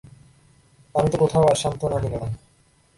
অমিত কোথাও আর সান্ত্বনা পেল না।